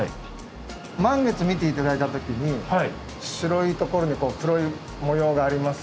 満月見て頂いた時に白いところに黒い模様がありますよね。